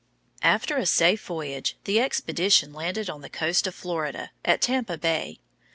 After a safe voyage, the expedition landed on the coast of Florida, at Tampa Bay.